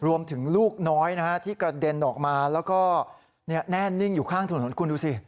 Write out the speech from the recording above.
ลูกน้อยที่กระเด็นออกมาแล้วก็แน่นิ่งอยู่ข้างถนนคุณดูสิ